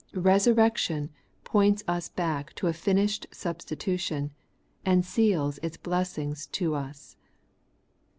Eesurrection points us back to a finished substitution, and seals its blessings to us.